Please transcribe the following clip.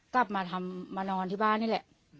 กลับมาทำมานอนที่บ้านนี่แหละ